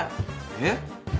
えっ？